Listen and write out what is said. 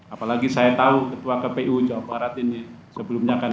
apalagi saya tahu ketua kpu jawa barat ini sebelumnya kan